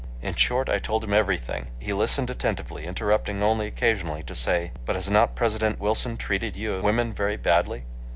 In short, I told him everything. He listened attentively, interrupting only occasionally to say, "But, has not President Wilson treated you women very badly?"